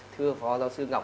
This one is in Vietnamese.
thưa phó giáo sư ngọc ạ